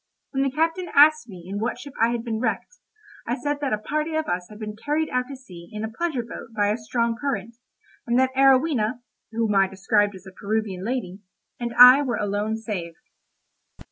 When the captain asked me in what ship I had been wrecked, I said that a party of us had been carried out to sea in a pleasure boat by a strong current, and that Arowhena (whom I described as a Peruvian lady) and I were alone saved.